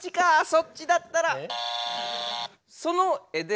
そっちだったら。